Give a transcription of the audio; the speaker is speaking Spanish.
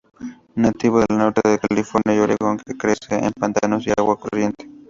Nativo del norte de California y Oregón, que crece en pantanos y agua corriente.